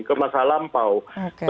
ke masa lampau oke